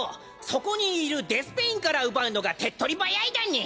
そこにいるデスペインから奪うのが手っ取り早いだに。